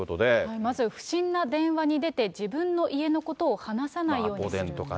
まず不審な電話に出て、自分の家のことを話さないようにする。